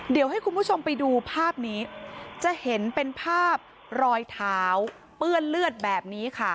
เดี๋ยวให้คุณผู้ชมไปดูภาพนี้จะเห็นเป็นภาพรอยเท้าเปื้อนเลือดแบบนี้ค่ะ